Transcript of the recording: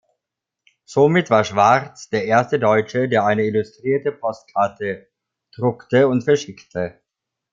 Somit war Schwartz der erste Deutsche, der eine illustrierte Postkarte druckte und verschickte.